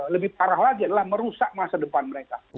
lebih parah lagi adalah merusak masa depan mereka